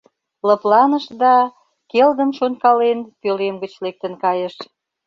Лыпланыш да, келгын шонкален, пӧлем гыч лектын кайыш.